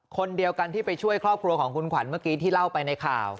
คนเดียวกันที่ไปช่วยครอบครัวของคุณขวัญเมื่อกี้ที่เล่าไปในข่าว